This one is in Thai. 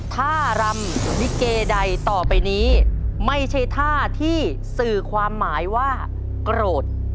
ท่ารำลิเกใดต่อไปนี้ไม่ใช่ท่าที่สื่อความหมายว่าโกรธ